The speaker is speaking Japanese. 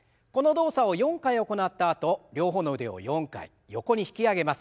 この動作を４回行ったあと両方の腕を４回横に引き上げます。